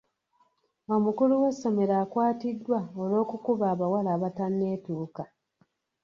Omukulu w'essomero akwatiddwa olw'okukuba abawala abatanneetuuka.